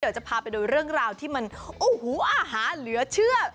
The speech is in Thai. เดี๋ยวจะพาไปโดยเรื่องราวที่มันอาหารเหลือเชื่อ